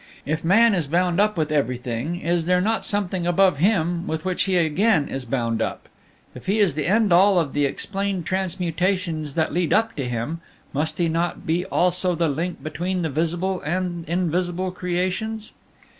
If man is bound up with everything, is there not something above him with which he again is bound up? If he is the end all of the explained transmutations that lead up to him, must he not be also the link between the visible and invisible creations?